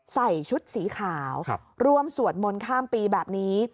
ใส่ชุดสีขาวร่วมสวดมนต์ข้ามปีแบบนี้